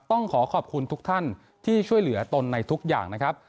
ต้องขอขอบคุณทุกท่านที่ช่วยเหลือตนในทุกอย่างนะครับ